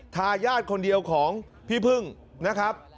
ทายาทคนเดียวของพี่พึ่งนะครับ